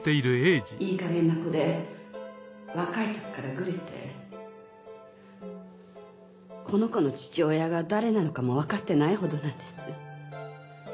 いいかげんな子で若いときからグレてこの子の父親が誰なのかもわかってないほどなんです。